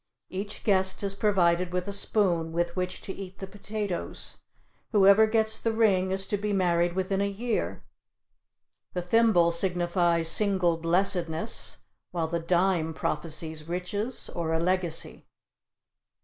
Each guest is provided with a spoon with which to eat the potatoes; whoever gets the ring is to be married within a year; the thimble signifies single blessedness, while the dime prophesies riches or a legacy.